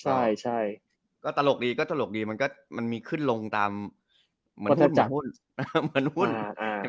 ใช่ก็ตลกดีก็ตลกดีมันก็มันมีขึ้นลงตามเหมือนหุ้นเหมือนหุ้น